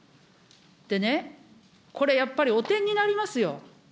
でね、これやっぱり、汚点になりますよ。